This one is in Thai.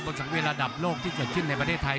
สังเวียนระดับโลกที่เกิดขึ้นในประเทศไทย